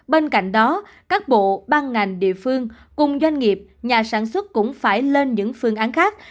bên cạnh đó các bộ ban ngành địa phương cùng doanh nghiệp nhà sản xuất cũng phải lên những phương án khác